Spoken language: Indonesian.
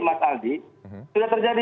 mas alby sudah terjadi